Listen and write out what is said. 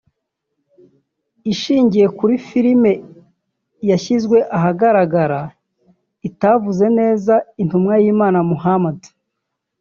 ishingiye kuri filimi yashyizwe ahagaragara itavuga neza intumwa y’Imana Mohammad